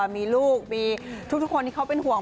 มีลูกมีทุกคนที่เขาเป็นห่วง